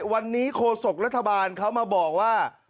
วันนี้โคศกรัฐบาลเขามาบอกว่า